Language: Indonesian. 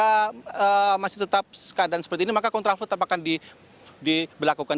jika masih tetap keadaan seperti ini maka kontraflow tetap akan diberlakukan